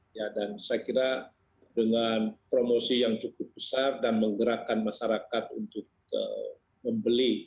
ya dan saya kira dengan promosi yang cukup besar dan menggerakkan masyarakat untuk membeli